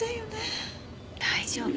大丈夫。